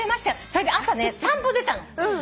それで朝ね散歩出たの。